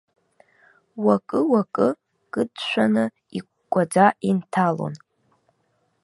Уакы-уакы кыдшәаны икәкәаӡа инҭалон.